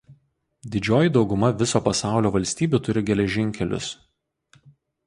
Didžioji dauguma viso pasaulio valstybių turi geležinkelius.